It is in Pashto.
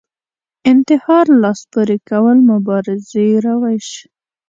انتحار لاس پورې کول مبارزې روش